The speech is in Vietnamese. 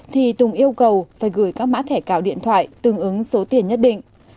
thì tùng yêu cầu phải gửi các mã thẻ cào điện thoại tương ứng số tiền nhất định